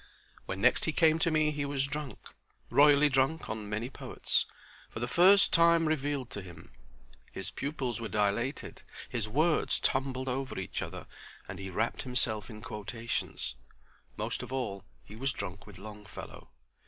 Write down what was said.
When next he came to me he was drunk—royally drunk on many poets for the first time revealed to him. His pupils were dilated, his words tumbled over each other, and he wrapped himself in quotations. Most of all was he drunk with Longfellow.